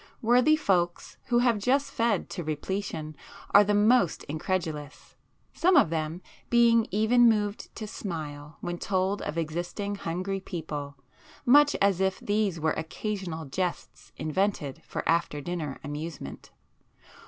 Worthy folks who have just fed to repletion are the most incredulous, some of them being even moved to smile when told of existing hungry people, much as if these were occasional jests invented for after dinner amusement.